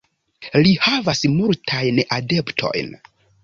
Li havas multajn adeptojn.